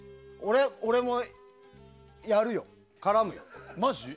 俺もやるよ、絡むよ。